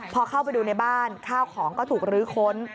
พอเข้าไปดูในบ้านข้าวของก็ถูกลื้อค้น